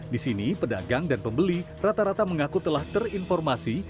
di sini pedagang dan pembeli rata rata mengaku telah terinformasi